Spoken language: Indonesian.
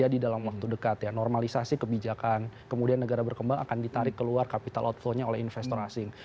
jadi dalam waktu dekat ya normalisasi kebijakan kemudian negara berkembang akan ditarik keluar capital outflow nya oleh investor asing